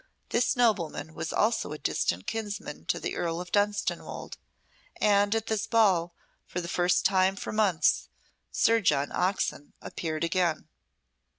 This nobleman was also a distant kinsman to the Earl of Dunstanwolde, and at this ball, for the first time for months, Sir John Oxon appeared again.